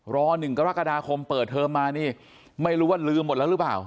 ๑กรกฎาคมเปิดเทอมมานี่ไม่รู้ว่าลืมหมดแล้วหรือเปล่า